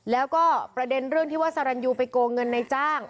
แล้วก็ประเด็นเรื่องที่ว่าสรรยูไปโกงเงินในจ้าง